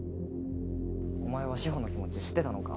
お前は志法の気持ち知ってたのか？